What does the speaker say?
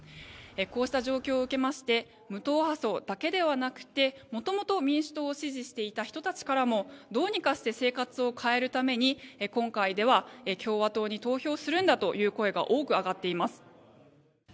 こうした状況を受けまして無党派層だけではなくて元々、民主党を支持していた人たちからもどうにかして生活を変えるために今回では共和党に投票するんだという声が多く上がっています。